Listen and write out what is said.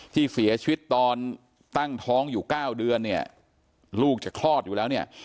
ที่เสียชีวิตตอนตั้งท้องอยู่๙เดือนเนี่ยลูกจะคลอดอยู่แล้วเนี่ย